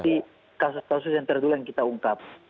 seperti kasus kasus yang terdulu yang kita ungkap